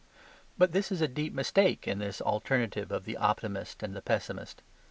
But this is a deep mistake in this alternative of the optimist and the pessimist.